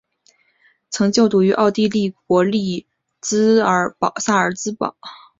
曾就读奥地利国立萨尔兹堡莫札特音乐暨表演艺术大学。